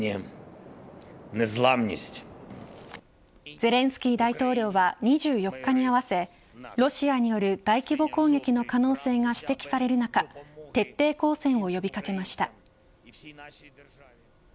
ゼレンスキー大統領は２４日に合わせロシアによる大規模攻撃の可能性が指摘される中徹底抗戦を呼び掛けました。